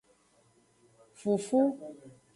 Fufu.